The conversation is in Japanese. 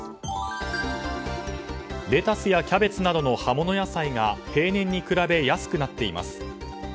レタスやキャベツなどの葉物野菜が平年に比べ安くなっています。